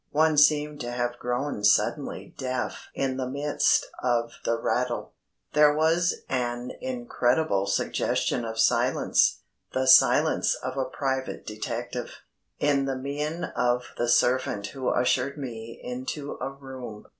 One seemed to have grown suddenly deaf in the midst of the rattle. There was an incredible suggestion of silence the silence of a private detective in the mien of the servant who ushered me into a room.